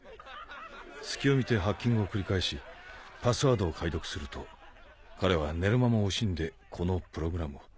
隙を見てハッキングを繰り返しパスワードを解読すると彼は寝る間も惜しんでこのプログラムを。